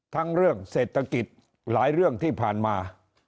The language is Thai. ทั้งเรื่องเศรษฐกิจหลายเรื่องที่ผ่านมา